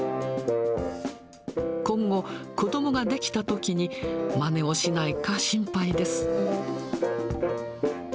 今後、子どもができたときに、まねをしないか、心配です。